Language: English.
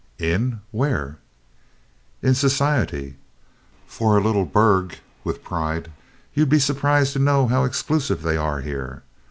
"'In' where?" "In society. For a little burg," with pride, "you'd be surprised to know how exclusive they are here."